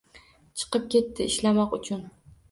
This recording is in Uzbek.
Chiqib ketdi ishlamoq uchun.